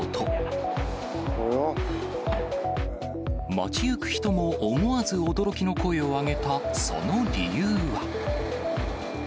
街行く人も思わず驚きの声を上げた、その理由は。